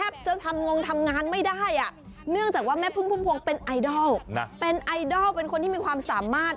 เป็นไอดอลเป็นคนที่มีความสามารถ